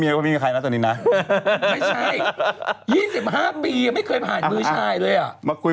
ไม่ใช่๒๕ปีไม่เคยผ่านมือชายเลย